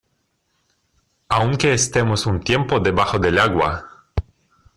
aunque estemos un tiempo debajo del agua,